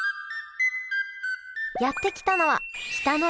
やって来たのは北の大地